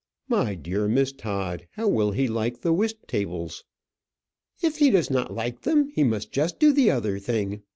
My dear Miss Todd, how will he like the whist tables?" "If he does not like them, he must just do the other thing.